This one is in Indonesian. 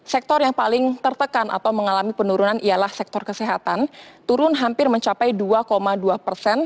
sektor yang paling tertekan atau mengalami penurunan ialah sektor kesehatan turun hampir mencapai dua dua persen